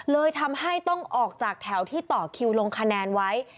เลยทำให้ต้องออกจากแถวที่ต่อคิวลงคะแนนไว้